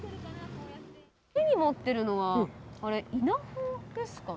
手に持ってるのは稲穂ですか？